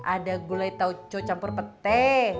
ada gulai tauco campur petai